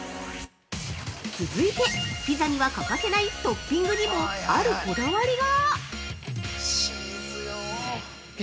続いて、ピザには欠かせないトッピングにもあるこだわりが！